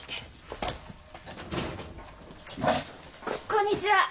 こんにちは。